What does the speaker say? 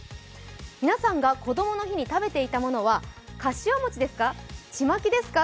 皆さんがこどもの日に食べていたものは、かしわ餅ですか、ちまきですか？